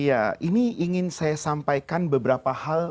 iya ini ingin saya sampaikan beberapa hal